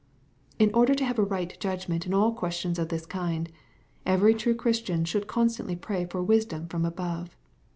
In order to have a right judgment in all questions of this kind, every true Christian should constantly pray for wisdom from above.